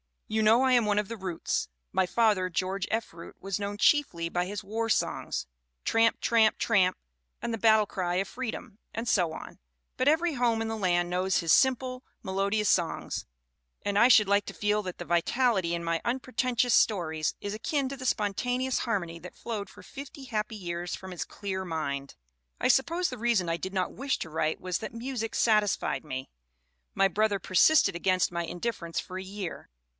You know I am one of the Roots. My father, George F. Root, ivas known chiefly by his war songs, Tramp, Tramp, Tramp and The Battle Cry of Freedom and so on, but every home in the land knows his simple, melo dious songs, and I should like to feel that the vitality in my unpretentious stories is akin to the spontaneous harmony that flowed for fifty happy years from his clear mind. 272 THE WOMEN WHO MAKE OUR NOVELS "I suppose the reason I did not wish to write was that music satisfied me. My brother persisted against my indifference for a year.